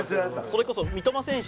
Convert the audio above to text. それこそ三笘選手